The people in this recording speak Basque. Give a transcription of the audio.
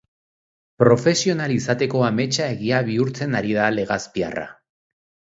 Profesional izateko ametsa egia bihurtzen ari da legazpiarra.